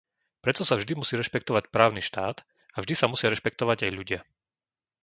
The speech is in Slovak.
Preto sa vždy musí rešpektovať právny štát a vždy sa musia rešpektovať aj ľudia.